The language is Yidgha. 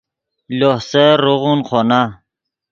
لوہ سیر روغون خونا